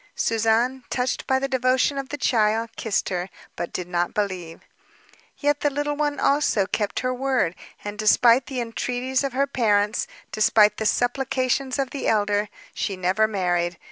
Suzanne, touched by the devotion of the child, kissed her, but did not believe. Yet the little one, also, kept her word, and despite the entreaties of her parents, despite the supplications of the elder, she never married.